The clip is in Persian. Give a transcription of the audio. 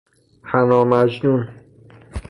حنا مجنون